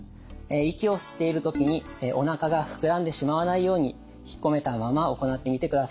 息を吸っている時におなかが膨らんでしまわないようにひっこめたまま行ってみてください。